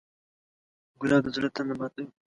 ګلاب د زړه تنده ماتوي.